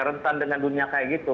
rentan dengan dunia kayak gitu